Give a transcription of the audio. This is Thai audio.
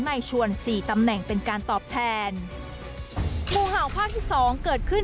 ในชวนสี่ตำแหน่งเป็นการตอบแทนงูเห่าภาคที่สองเกิดขึ้น